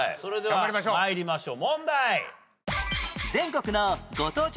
頑張りましょう。